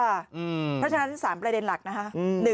เพราะฉะนั้น๓ประเด็นหลักนะคะ